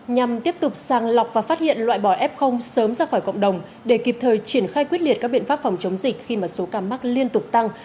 nhằm tiếp tục sàng lọc và phát hiện loại bỏ f sớm ra khỏi cộng đồng để kịp thời triển khai quyết liệt các biện pháp phòng chống dịch khi mà số ca mắc liên tục tăng